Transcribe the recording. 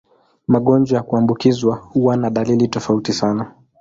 Magonjwa ya kuambukizwa huwa na dalili tofauti sana.